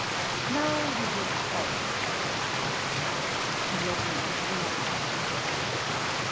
'+ Now we will play,' said she, and led me into the other room.